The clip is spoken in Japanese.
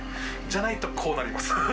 じゃないと、こうなります。